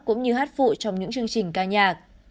cũng như hát phụ trong những chương trình ca nhạc